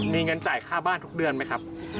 มีเงินจ่ายค่าบ้านทุกเดือนไหมครับ